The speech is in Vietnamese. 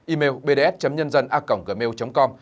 email bds nhân dân a gmail com